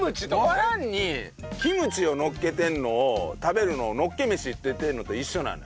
ご飯にキムチをのっけてるのを食べるのをのっけ飯って言ってるのと一緒なのよ。